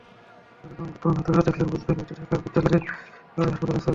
সাবেক এবং বর্তমান ছাত্ররা দেখলেই বুঝবেন, এটি ঢাকা মেডিকেল কলেজ হাসপাতালের ছবি।